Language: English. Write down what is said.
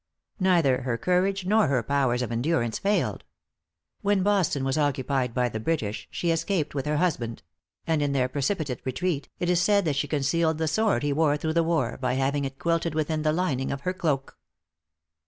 Neither her courage nor her powers of endurance failed. When Boston was occupied by the British, she escaped with her husband; and in their precipitate retreat, it is said that she concealed the sword he wore through the war, by having it quilted within the lining of her cloak.